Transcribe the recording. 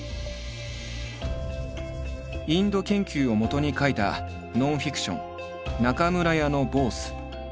インド研究をもとに書いたノンフィクション「中村屋のボース」。